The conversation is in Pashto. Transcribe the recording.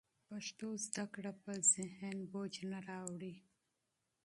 پښتو زده کړه په ذهن فشار نه راوړي.